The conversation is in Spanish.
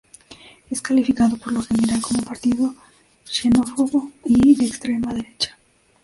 Es calificado por lo general como un partido xenófobo y de extrema derecha.